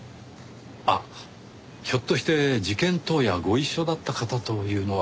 あっひょっとして事件当夜ご一緒だった方というのは。